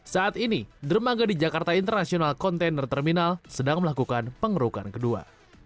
saat ini dermaga di jakarta international container terminal sedang melakukan pengerukan kedua